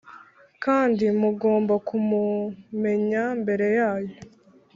kandi mugomba kumumenya mbere yayo